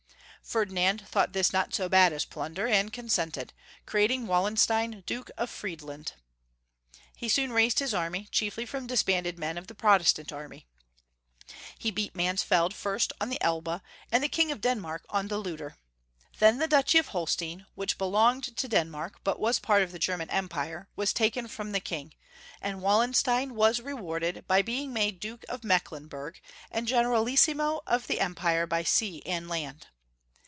Ferdinand thought this not so bad as plunder, and consented, creating Wallenstein Duke of Friedland. He soon raised his army, chiefly from disbanded men of the Protestant army. He beat Mansfeld first on the Elbe, and the liing of Denmark on the Lutter. Then the duchy of Holstein, which be longed to Denmark, but was part of the German Empire, was taken from the King, and Wallenstein was rewarded by being made Duke of Mecklenburg and Generalissimo of the Empire by sea and land.